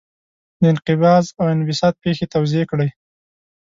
د انقباض او انبساط پېښې توضیح کړئ.